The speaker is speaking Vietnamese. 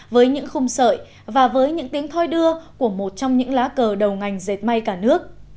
với những khung sợi và với những tiếng thôi đưa của một trong những lá cờ đầu ngành dệt may cả nước